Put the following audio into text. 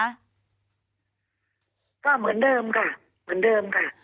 ก็เหมือนเดิมค่ะเหมือนเดิมค่ะ